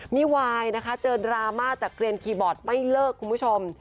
มีวายนะคะเจอดราม่าจากเกลียนคีย์บอร์ดไม่เลิกคุณผู้ชม